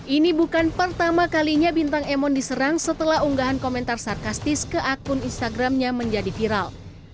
ini bukan pertama kalinya bintang emon diserang setelah unggahan komentar sarkastis ke akun instagramnya menjadi viral